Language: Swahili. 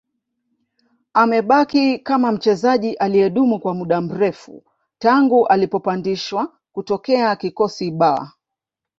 Amebaki kama mchezaji aliyedumu kwa muda mrefu tangu alipopandishwa kutokea kikosi B